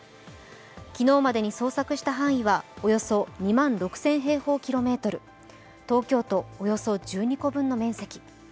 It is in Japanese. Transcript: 昨日までに捜索した範囲はおよそ２万６０００平方キロメートル、東京都およそ１２個分の面積。